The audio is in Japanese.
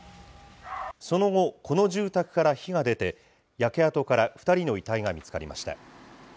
その後、この住宅から火が出て、焼け跡から２人の遺体が見つかりました。